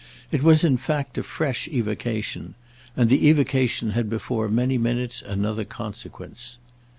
It was in fact a fresh evocation; and the evocation had before many minutes another consequence.